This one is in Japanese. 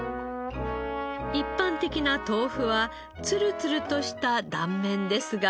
一般的な豆腐はツルツルとした断面ですが。